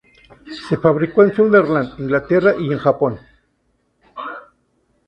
Se fabricó en Sunderland, Inglaterra, y en Japón.